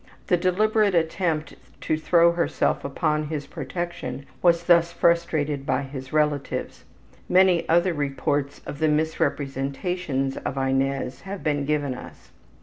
The deliberate attempt to throw herself upon his protection was thus frustrated by his relatives. Many other reports of the misrepresentations of Inez have been given us.